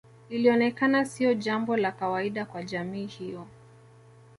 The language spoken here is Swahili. Ilionekana sio jambo la kawaida kwa jamii hiyo